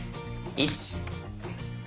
１！